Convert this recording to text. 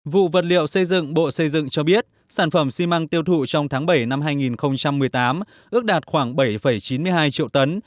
vụ vật liệu xây dựng bộ xây dựng cho biết sản phẩm xi măng tiêu thụ trong tháng bảy năm hai nghìn một mươi tám ước đạt khoảng bảy chín mươi hai triệu tấn